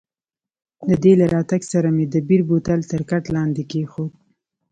د دې له راتګ سره مې د بیر بوتل تر کټ لاندې کښېښود.